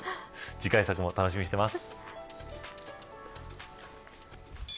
次回作も楽しみにしています。